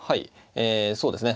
ええそうですね。